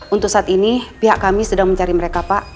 untuk saat ini pihak kami sedang mencari mereka pak